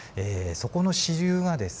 そこの支流がですね